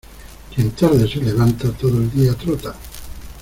Quien tarde se levanta, todo el día trota.